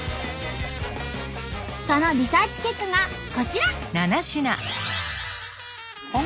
そのリサーチ結果がこちら。